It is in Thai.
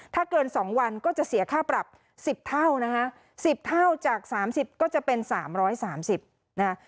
ถ้าเกิน๒วันก็จะเสียค่าปรับ๑๐เท่านะคะ๑๐เท่าจาก๓๐ก็จะเป็น๓๓๐นะคะ